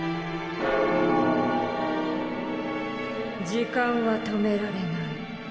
時間は止められない。